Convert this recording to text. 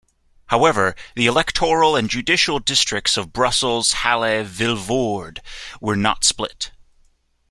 However, the electoral and judicial districts of Brussels-Halle-Vilvoorde were not split.